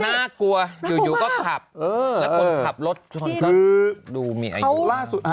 น่ากลัวอยู่ก็ขับแล้วคนขับรถชนก็ดูมีอายุล่าสุด